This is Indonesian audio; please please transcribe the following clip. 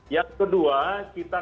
yang kedua kita